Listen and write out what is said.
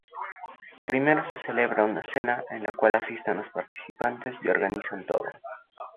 Primero se celebra una cena en la cual asisten los participantes y organizan todo.